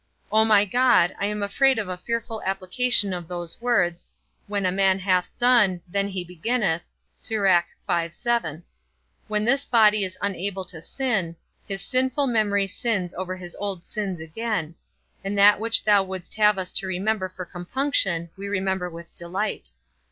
O my God, I am afraid of a fearful application of those words, When a man hath done, then he beginneth; when this body is unable to sin, his sinful memory sins over his old sins again; and that which thou wouldst have us to remember for compunction, we remember with delight.